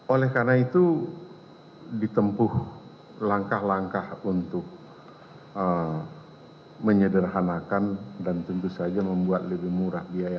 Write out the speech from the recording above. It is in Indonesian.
oleh karena itu ditempuh langkah langkah untuk menyederhanakan dan tentu saja membuat lebih murah biaya